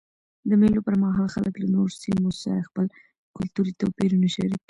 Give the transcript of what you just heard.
د مېلو پر مهال خلک له نورو سیمو سره خپل کلتوري توپیرونه شریکوي.